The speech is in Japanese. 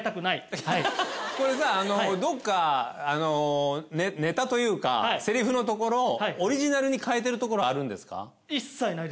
これさどっかあのネタというかセリフのところオリジナルに変えてるところあるんですか？